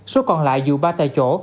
số còn lại dù ba tài chỗ